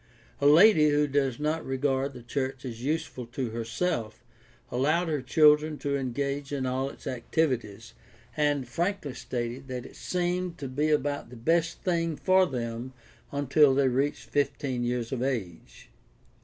A lady who does not regard the church as useful to herself allowed her children to engage in all its activities, and frankly stated that it seemed to be about the best thing for them until they reached fifteen years of age.